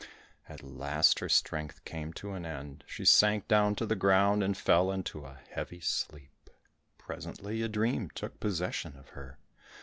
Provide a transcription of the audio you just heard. At last her strength came to an end, she sank down to the ground and fell into a heavy sleep. Presently a dream took possession of her.